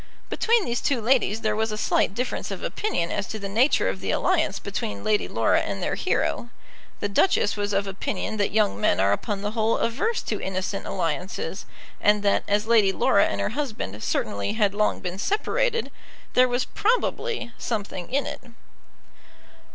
Between these two ladies there was a slight difference of opinion as to the nature of the alliance between Lady Laura and their hero. The Duchess was of opinion that young men are upon the whole averse to innocent alliances, and that, as Lady Laura and her husband certainly had long been separated, there was probably something in it.